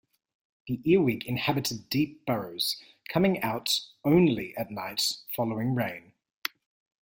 The earwig inhabited deep burrows, coming out only at night following rain.